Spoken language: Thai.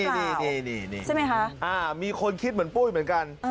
นี่นี่นี่ใช่มั้ยคะอ่ามีคนคิดเหมือนพุ่มเหมือนกัน